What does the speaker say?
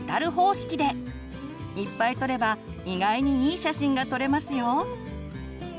いっぱい撮れば意外にいい写真が撮れますよ！